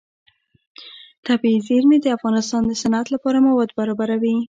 طبیعي زیرمې د افغانستان د صنعت لپاره مواد برابروي.